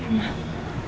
aku masih ingin kita tetap